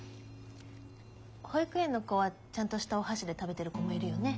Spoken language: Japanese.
保育園の子はちゃんとしたお箸で食べてる子もいるよね。